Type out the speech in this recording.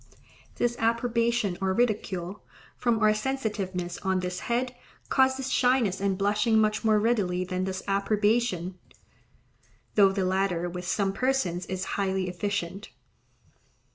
Disapprobation or ridicule, from our sensitiveness on this head, causes shyness and blushing much more readily than does approbation; though the latter with some persons is highly efficient.